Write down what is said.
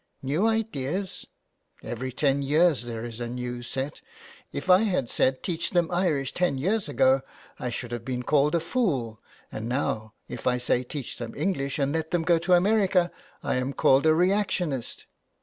" New ideas ! Every ten years there is a new set. If I had said teach them Irish ten years ago I should have been called a fool, and now if I say teach them English and let them go to America I am called a reactionist.